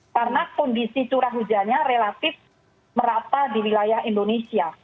karena kondisi curah hujannya relatif merata di wilayah indonesia